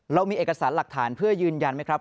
เรามีเอกสารหลักฐานเพื่อยืนยันไหมครับ